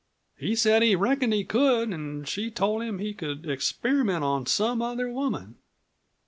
He said he reckoned he could, an' she told him he could experiment on some other woman.